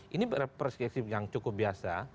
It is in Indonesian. ini perspektif yang cukup biasa